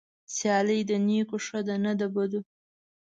سيالي د نيکو ښه ده نه د بدو.